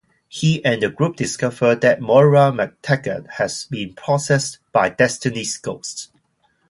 He and the group discover that Moira MacTaggert has been possessed by Destiny's ghost.